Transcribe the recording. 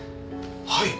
はい！？